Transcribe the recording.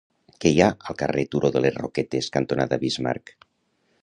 Què hi ha al carrer Turó de les Roquetes cantonada Bismarck?